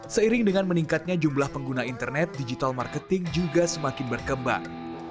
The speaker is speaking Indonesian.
seiring dengan meningkatnya jumlah pengguna internet digital marketing juga semakin berkembang